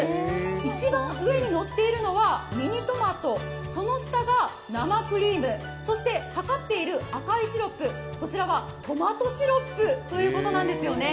一番上にのっているのはミニトマト、その下が生クリーム、そしてかかっている赤いシロップはトマトシロップということなんですよね。